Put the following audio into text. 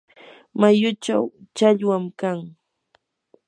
mayuchaw challwam kan.